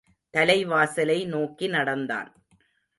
தலைவாசலை நோக்கி நடந்தான்.